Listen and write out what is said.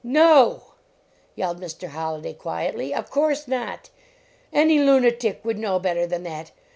" "No!" yelled Mr. Holliday, quietly, "of course not. Any lunatic would know better than that.